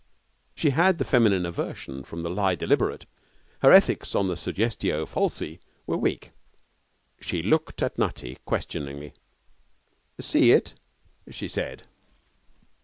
She had the feminine aversion from the lie deliberate. Her ethics on the suggestio falsi were weak. She looked at Nutty questioningly. 'See it?' she said.